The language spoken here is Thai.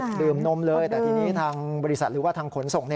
ดื่มนมเลยแต่ทีนี้ทางบริษัทหรือว่าทางขนส่ง